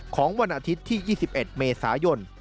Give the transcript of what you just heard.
ของวันอาทิตย์ที่๒๑เมษายน